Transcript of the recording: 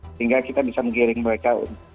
sehingga kita bisa menggiring mereka